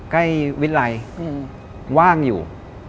ใกล้วิทยาลัยว่างอยู่